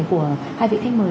của hai vị khách mời